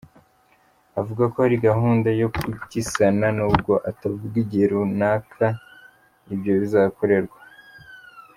Avuga ko hari gahunda yo kugisana nubwo atavuga igihe rukanaka ibyo bizakorerwa.